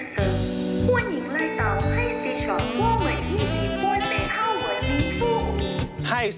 ว่าไหมที่ที่พ่อเตะข้าวเวอร์มีฟูก